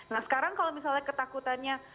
nah sekarang kalau misalnya ketakutannya